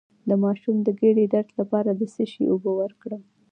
د ماشوم د ګیډې درد لپاره د څه شي اوبه ورکړم؟